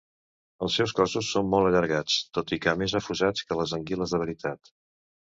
Els seus cossos són molt allargats, tot i que més afusats que les anguiles de veritat.